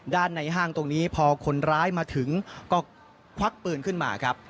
ในห้างตรงนี้พอคนร้ายมาถึงก็ควักปืนขึ้นมาครับ